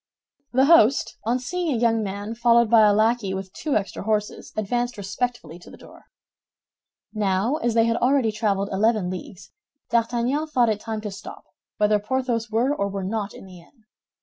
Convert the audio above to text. The host, on seeing a young man followed by a lackey with two extra horses, advanced respectfully to the door. Now, as they had already traveled eleven leagues, D'Artagnan thought it time to stop, whether Porthos were or were not in the inn.